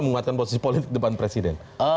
menguatkan posisi politik depan presiden